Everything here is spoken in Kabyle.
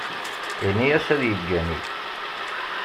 Ini-as ad yeggani.